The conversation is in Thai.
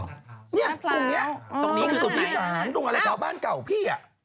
เนี่ยตรงเนี้ยตรงสุธิสารตรงอะไรตรงบ้านเก่าพี่อ่ะ